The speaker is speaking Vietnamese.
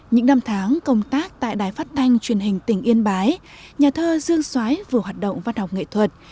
những năm tháng công tác tại đài phát thanh truyền hình tỉnh yên bái nhà thơ dương xoái vừa hoạt động văn học nghệ thuật